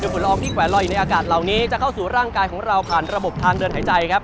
ฝุ่นละออที่แขวนลอยอยู่ในอากาศเหล่านี้จะเข้าสู่ร่างกายของเราผ่านระบบทางเดินหายใจครับ